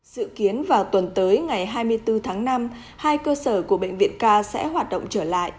dự kiến vào tuần tới ngày hai mươi bốn tháng năm hai cơ sở của bệnh viện k sẽ hoạt động trở lại